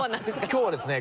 今日はですね